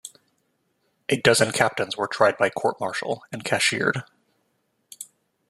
A dozen captains were tried by court-martial and cashiered.